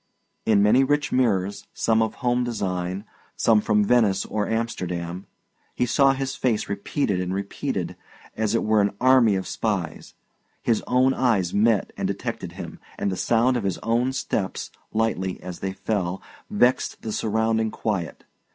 In many rich mirrors, some of home design, some from Venice or Amsterdam, he saw his face repeated and repeated, as it were an army of spies; his own eyes met and detected him; and the sound of his own steps, lightly as they fell, vexed the surrounding quiet.